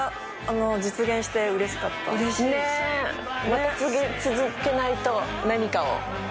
また次続けないと何かを。